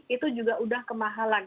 itu juga udah kemahalan